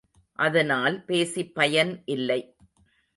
அதனால் பேசிப் பயன் இல்லை.